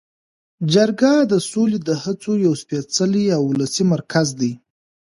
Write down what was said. جرګه د سولې د هڅو یو سپیڅلی او ولسي مرکز دی.